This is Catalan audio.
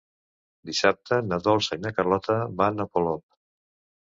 Dissabte na Dolça i na Carlota van a Polop.